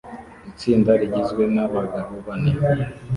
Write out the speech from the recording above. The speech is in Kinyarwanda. Itsinda rigizwe nabagabo bane